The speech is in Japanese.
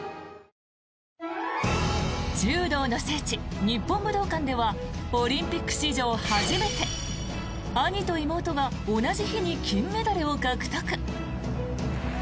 柔道の聖地・日本武道館ではオリンピック史上初めて兄と妹が同じ日に金メダルを獲得。